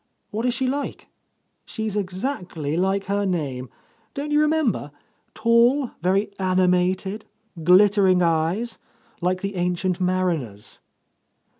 What is she like?" "She's exactly like her name. Don't you re member? Tall, very animated, glittering eyes, like the Ancient Mariner's?"